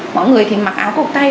mọi người thì mặc áo cầu tay